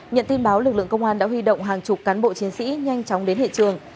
nhận tin báo lực lượng công an đã huy động hàng chục cán bộ chiến sĩ nhanh chóng đến hiện trường